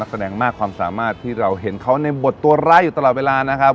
แสดงมากความสามารถที่เราเห็นเขาในบทตัวร้ายอยู่ตลอดเวลานะครับ